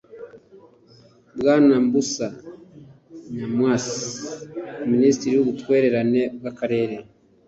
bwana mbusa nyamwisi minisitiri w ubutwererane bw akarere